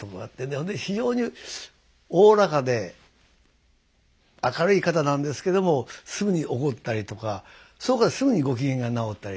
ほんで非常におおらかで明るい方なんですけどもすぐに怒ったりとかそうかといったらすぐにご機嫌が直ったり。